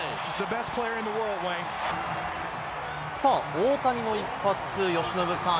大谷の一発、由伸さん